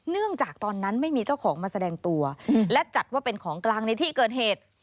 เนื่องจากตอนนั้นไม่มีเจ้าของมาแสดงตัวและจัดว่าเป็นของกลางในที่เกิดเหตุ